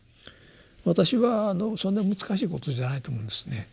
私はそんな難しいことじゃないと思うんですね。